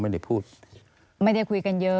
พ่อที่รู้ข่าวอยู่บ้าง